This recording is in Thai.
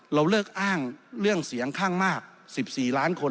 เราเลิกอ้างเรื่องเสียงข้างมาก๑๔ล้านคน